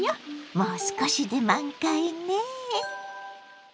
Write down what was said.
もう少しで満開ね！